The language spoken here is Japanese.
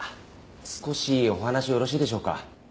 少しお話よろしいでしょうか？